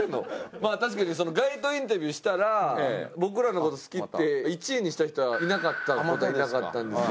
まあ確かに街頭インタビューしたら僕らの事好きって１位にした人はいなかった事はいなかったんですよ。